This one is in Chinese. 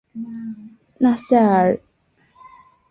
纳赛尔认为两国联合是联合所有阿拉伯国家的第一步。